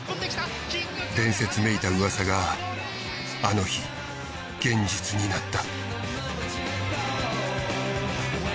伝説めいたうわさがあの日現実になった。